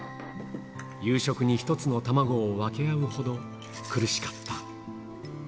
夕食に１つの卵を分け合うほど、苦しかった。